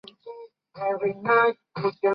于几内亚国内另有同名城镇。